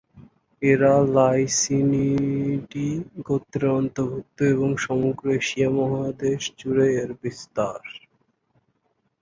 এরা ‘লাইসিনিডি’ গোত্রের অন্তর্ভুক্ত এবং সমগ্র এশিয়া মহাদেশ জুড়েই এর বিস্তার।